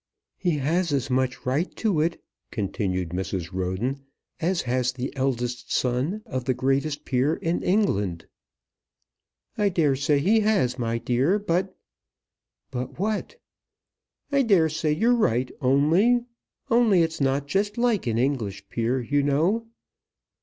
"He has as much right to it," continued Mrs. Roden, "as has the eldest son of the greatest peer in England." "I dare say he has, my dear, but ." "But what?" "I dare say you're right, only ; only it's not just like an English peer, you know."